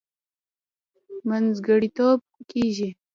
منځګړتوب کېږي.